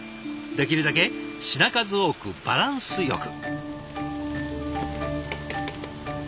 できるだけ品数多くバランスよく。